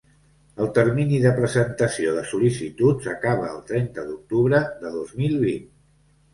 El termini de presentació de sol·licituds acaba el trenta d'octubre de dos mil vint.